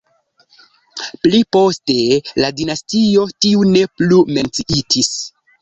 Pli poste la dinastio tiu ne plu menciitis.